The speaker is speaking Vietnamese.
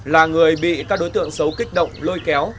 là người bị các đối tượng xấu kích động lôi kéo